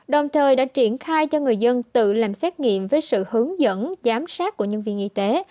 đồng thời đã triển khai cho người dân tự làm xét nghiệm với sự hướng dẫn giám sát của nhân viên y tế